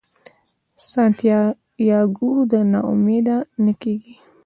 سانتیاګو نا امیده نه کیږي.